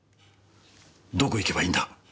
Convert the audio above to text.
どこへ行けばいいんだ？